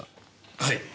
はい。